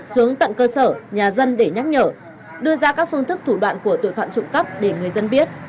xuống tận cơ sở nhà dân để nhắc nhở đưa ra các phương thức thủ đoạn của tội phạm trộm cắp để người dân biết